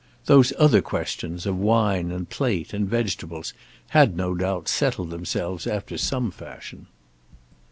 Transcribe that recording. Those other questions of wine and plate and vegetables had, no doubt, settled themselves after some fashion.